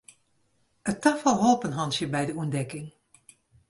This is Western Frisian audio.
It tafal holp in hantsje by de ûntdekking.